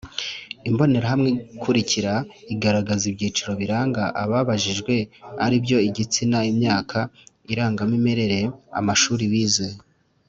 Imbonerahamwe ikurikira iragaragaza ibyiciro biranga ababajijwe aribyo igitsina imyaka irangamimerere amashuri bize